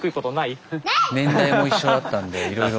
スタジオ年代も一緒だったんでいろいろ。